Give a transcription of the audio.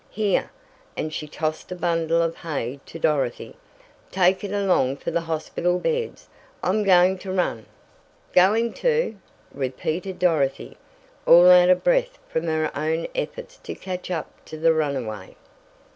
Here," and she tossed a bundle of hay to Dorothy. "Take it along for the hospital beds. I'm going to run!" "Going to!" repeated Dorothy, all out of breath from her own efforts to catch up to the runaway.